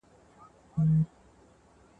ویل څه سوې سپی د وخته دی راغلی ..